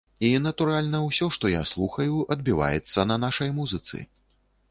І, натуральна, усё, што я слухаю, адбіваецца на нашай музыцы.